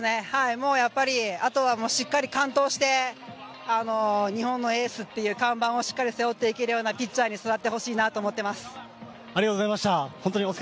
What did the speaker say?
もうあとは、しっかり完投して日本のエースっていう看板をしっかり背負っていけるピッチャーに育ってほしいなと思ってます。